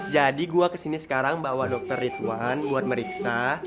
jadi gue kesini sekarang bawa dokter ridwan buat meriksa